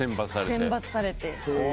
選抜されて。